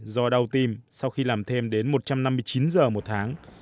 do đau tim sau khi làm thêm đến một trăm năm mươi chín giờ một tháng